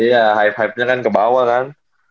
iya hype hypenya kan kebawah kan